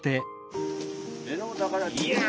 いや！